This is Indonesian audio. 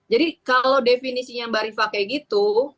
jadi kalau definisinya mbak rifat kayak gitu